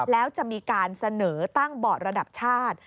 แล้วจะมีการเสนอตั้งบอร์ดระดับชาติ